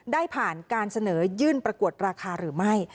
ได้ผ่านการเสนอยื่นประกวดราคาหรือไม่